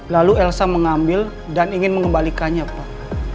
lalu elsa mengambil dan ingin mengembalikannya pak